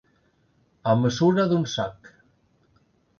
A mesura d'un sac.